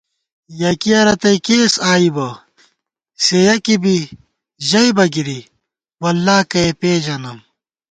یَکِیَہ رتئ کېس آئی بہ سےیَکی بی ژئیبہ گِرِی “واللہ کہ ئے پېژَنم”